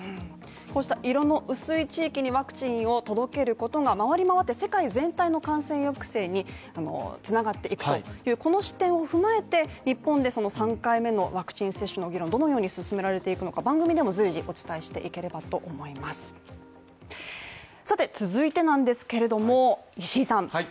こうした色の薄い地域にワクチンを届けることが回りまわって世界全体の感染抑制につながっていくというこの視点を踏まえて日本で３回目のワクチン接種の議論をどのように進められていくのか番組でも随時お伝えしていければと思います続いてなんですけれども石井さん